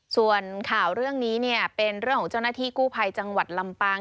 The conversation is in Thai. ส่วนข่าวเรื่องนี้เป็นเรื่องของเจ้าหน้าที่กู้ภัยจังหวัดลำปาง